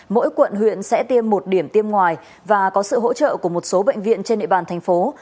mỗi quận huyện sẽ tiêm một điểm tiêm ngoài và có sự hỗ trợ của một số bệnh viện trên nệ bản tp hcm